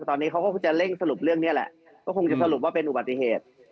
ตอนนี้เขาก็คงจะเร่งสรุปเรื่องนี้แหละก็คงจะสรุปว่าเป็นอุบัติเหตุ